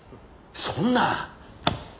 そんな！